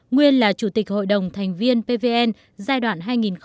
nguyên là chủ tịch hội đồng thành viên pvn giai đoạn hai nghìn chín hai nghìn một mươi một